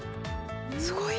すごい。